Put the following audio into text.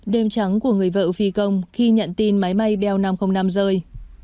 đêm trắng của người vợ phi công khi nhận tin máy bay bel năm trăm linh năm rơi